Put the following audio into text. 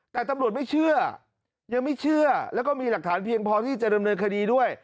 แต่ตำรวจไม่เชื่อยังไม่เชื่อแล้วก็มีหลักฐานเพียงพอที่จะดำเนินคดีด้วย